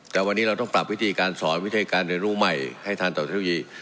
แต่วันนี้เราต้องปรับวิธีการสอนวิธีการเรียนรู้ใหม่ให้ทันต่อเทคโนโลยี